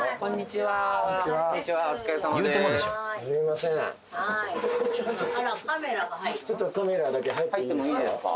ちょっとカメラだけ入っていいですか？